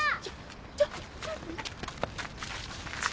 ちょっと！